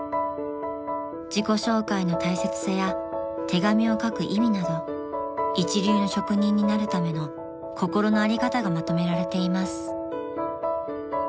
［自己紹介の大切さや手紙を書く意味など一流の職人になるための心のあり方がまとめられています］